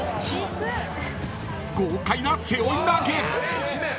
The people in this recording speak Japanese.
［豪快な背負い投げ！］